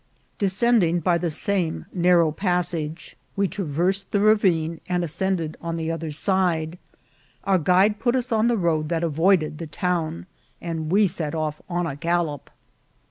. Descending by the same narrow passage, we trav VOL. II.—U ' 154 INCIDENTS OF TRAVEL. ersed the ravine and ascended on the other side. Our guide put us into the road that avoided the town, and we set off on a gallop.